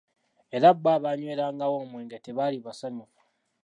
Era bo abaanywerangawo omwenge tebaali basayufu.'